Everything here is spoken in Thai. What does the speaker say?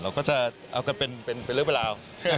เราก็จะเอาก็เป็นเรื่องเวลา